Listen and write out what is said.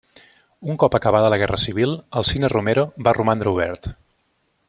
Un cop acabada la guerra civil, el Cine Romero va romandre obert.